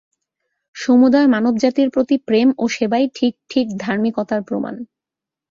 সমুদয় মানবজাতির প্রতি প্রেম ও সেবাই ঠিক ঠিক ধার্মিকতার প্রমাণ।